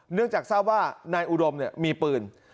เนื่องจากทราบว่าในอุดมเนี่ยมีปืน